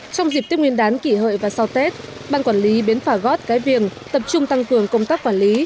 trong dịp tiếp nguyên đán kỷ hợi và sau tết ban quản lý bến phà gót cái viềng tập trung tăng cường công tác quản lý